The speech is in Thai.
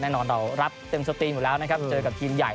แน่นอนเรารับเต็มสตรีมอยู่แล้วนะครับเจอกับทีมใหญ่